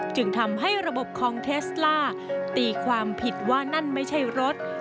จึงทำให้ระบบคองเทสล่าตีความผิดว่านั่นไม่ใช่รถ